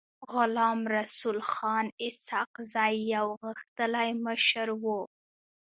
غلام رسول خان اسحق زی يو غښتلی مشر و.